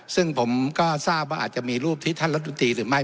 ซึ่งผมก็ทราบว่าอาจจะมีรูปที่ท่านรัฐมนตรีหรือไม่